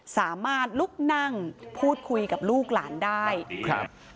สามารถลุกนั่งพูดคุยกับลูกหลานได้ครับ